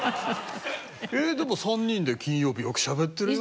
えーでも３人で『金曜日』よく喋ってるよ。